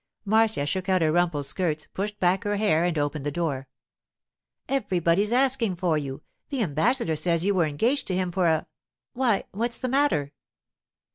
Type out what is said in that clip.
Marcia shook out her rumpled skirts, pushed back her hair, and opened the door. 'Everybody's asking for you. The ambassador says you were engaged to him for a—— Why, what's the matter?